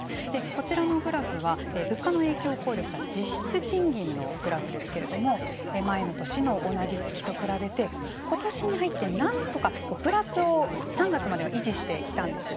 こちらのグラフは物価の影響を考慮した実質賃金のグラフですけれども前の年の同じ月と比べて今年に入って、なんとかプラスを３月までは維持してきたんです。